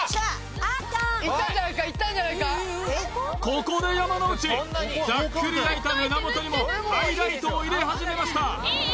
ここで山之内ざっくり開いた胸元にもハイライトを入れ始めました